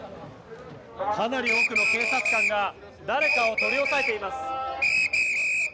かなり多くの警察官が誰かを取り押さえています。